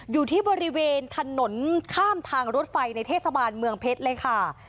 อยู่ที่บริเวณถนนข้ามทางรถไฟในเทศบาลเมืองเพชรเลยค่ะ